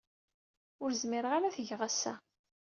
Ur zmireɣ ara ad t-geɣ ass-a.